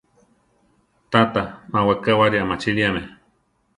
Tata má wekáwari amachiliame.